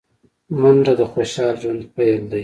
منډه د خوشال ژوند پيل دی